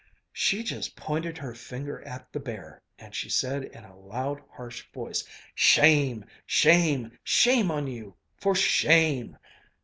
"She just pointed her finger at the bear, and she said in a loud, harsh voice: 'Shame! Shame! Shame on you! For sha a ame!'